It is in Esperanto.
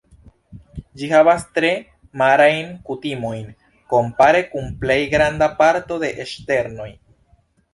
Ĝi havas tre marajn kutimojn kompare kun plej granda parto de ŝternoj.